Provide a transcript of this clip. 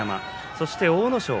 そして阿武咲。